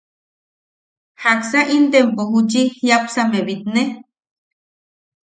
¿Jaksa intempo juchi jiʼapsame bitne?